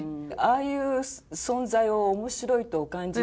ああいう存在を面白いとお感じになるね